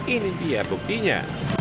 ini dia buktinya